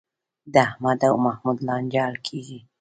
د احمد او محمود لانجه حل کېږي.